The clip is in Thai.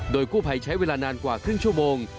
โดยกู้ภัยใช้เวลานานกว่าครึ่งชั่วโมง